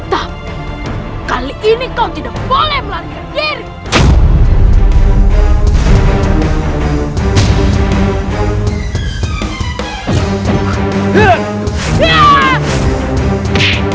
tapi kali ini kau tidak boleh melarikan dirimu